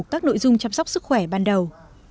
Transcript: các nội dung chăm sóc sức khỏe ban đầu